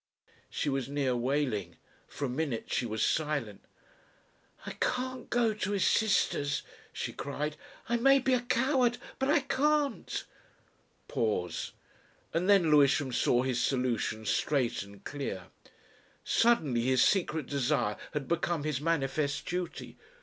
She was near wailing. For a minute she was silent. "I can't go to his sister's," she cried. "I may be a coward but I can't." Pause. And then Lewisham saw his solution straight and clear. Suddenly his secret desire had become his manifest duty.